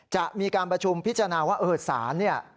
จะมีการประชุมพิจารณาว่าเออสารเนี่ย